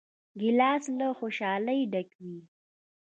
ګیلاس له خوشحالۍ ډک وي.